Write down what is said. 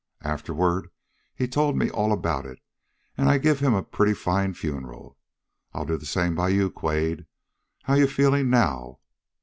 Afterward he told me all about it, and I give him a pretty fine funeral. I'll do the same by you, Quade. How you feeling now?"